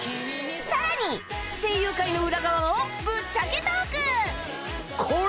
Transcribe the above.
さらに声優界の裏側をぶっちゃけトーク！